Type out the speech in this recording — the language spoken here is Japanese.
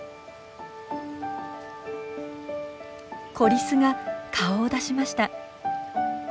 子リスが顔を出しました。